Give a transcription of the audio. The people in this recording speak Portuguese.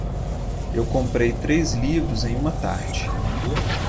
Eu comprei três livros em uma tarde.